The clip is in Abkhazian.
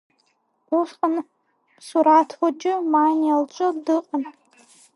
Усҟан, Мсураҭ хәыҷы Маниа лҿы дыҟан.